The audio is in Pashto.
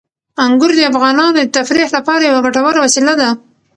انګور د افغانانو د تفریح لپاره یوه ګټوره وسیله ده.